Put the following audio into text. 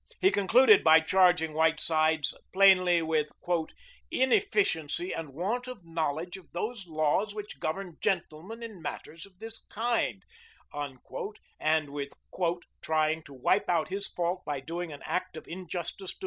He concluded by charging Whitesides plainly with "inefficiency and want of knowledge of those laws which govern gentlemen in matters of this kind," and with "trying to wipe out his fault by doing an act of injustice to Mr. Lincoln."